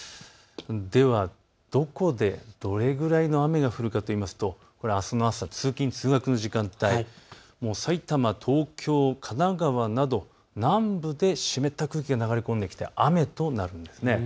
では、どこでどれぐらいの雨が降るかといいますと、これはあすの朝、通勤通学の時間帯、埼玉、東京、神奈川など南部で湿った空気が流れ込んできて雨となるんです。